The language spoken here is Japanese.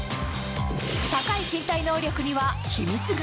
高い身体能力には秘密が。